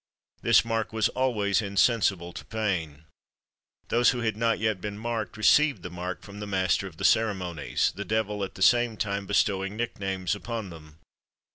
This mark was always insensible to pain. Those who had not yet been marked, received the mark from the master of the ceremonies, the devil at the same time bestowing nicknames upon them.